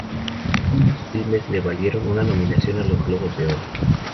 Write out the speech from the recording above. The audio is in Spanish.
Ambos filmes le valieron una nominación a los Globos de Oro.